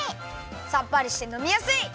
さっぱりしてのみやすい！